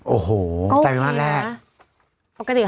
โอ้โหไตรมาสแรก